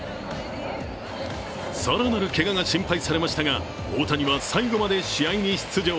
更なるけがが心配されましたが大谷は最後まで試合に出場。